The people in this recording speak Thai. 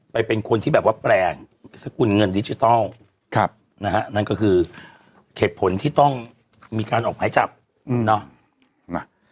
เป็นคนที่แบบว่าแปลงสกุลเงินดิจิทัลนะฮะนั่นก็คือเหตุผลที่ต้องมีการออกหมายจับเนาะ